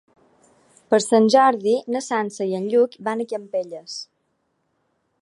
Per Sant Jordi na Sança i en Lluc van a Campelles.